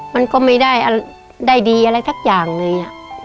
มันก็ไม่ได้ดีอะไรสักอย่างเลย